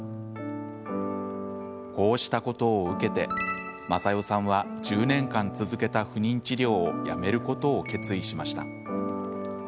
こうしたことを受けて雅代さんは１０年間続けた不妊治療をやめることを決意しました。